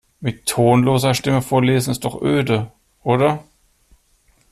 Mit tonloser Stimme vorlesen ist doch öde, oder?